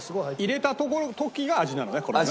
入れた時が味なのねこれのね。